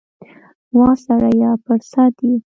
وا سړیه پر سد یې ؟